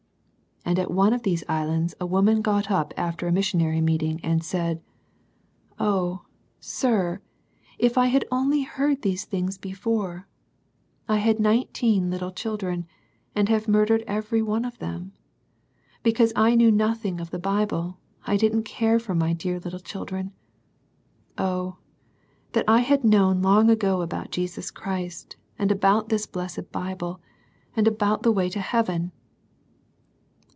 And at one of these islands a woman got up after a missionary meeting, and said, " Oh, sir, if I had only heard these things before ! I had nineteen little children, and have murdered every one of them I Because I knew nothing of the Bible, I didn't care for my dear little children. Oh, that I had known long ago about Jesus Christ and about this blessed Bible^^xA^^Ni:^. '^^^'^^'^s^ a 98 SERMONS FOR CHILDREN. Heaven